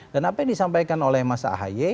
dan apa yang disampaikan oleh mas ahaye